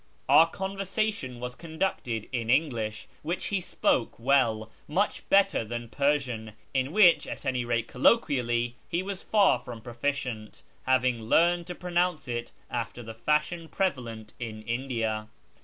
Our conversation was conducted in English, which he spoke well — much better than Persian, in which, at any rate colloquially, he was far from proficient, having learned to pronounce it after the fashion prevalent in India.